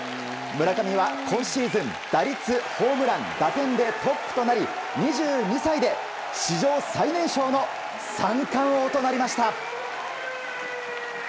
村上は今シーズン、打率ホームラン、打点でトップとなり２２歳で史上最年少の三冠王となりました。